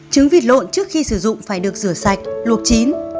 trứng vịt lộn trước khi sử dụng phải được rửa sạch luộc chín